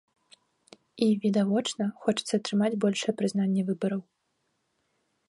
І, відавочна, хочацца атрымаць большае прызнанне выбараў.